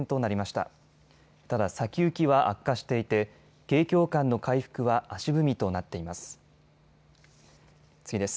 ただ先行きは悪化していて景況感の回復は足踏みとなっています。